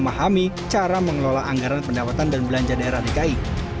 memahami cara mengelola anggaran pendapatan dan belanja daerah dki